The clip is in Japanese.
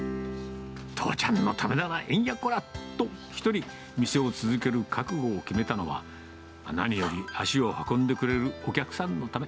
父ちゃんのためならえんやこらと、１人、店を続ける覚悟を決めたのは、何より足を運んでくれるお客さんのため。